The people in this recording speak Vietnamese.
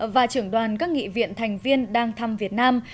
và trưởng đoàn các nghị viện thành viên đang thăm việt nam